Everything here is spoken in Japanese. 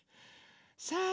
さあ